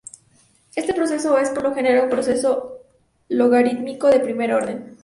Este proceso es, por lo general, un proceso logarítmico de primer orden.